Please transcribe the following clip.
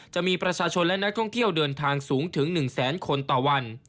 จะมีประชาชนและนักท่องเที่ยวเดินทางสูงถึง๑แสนคนต่อวัน